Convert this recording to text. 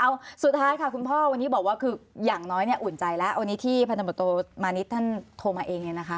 เอาสุดท้ายค่ะคุณพ่อวันนี้บอกว่าคืออย่างน้อยเนี่ยอุ่นใจแล้ววันนี้ที่พันธบทโตมานิดท่านโทรมาเองเนี่ยนะคะ